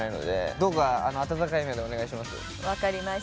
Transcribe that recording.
どうか温かい目でお願いします。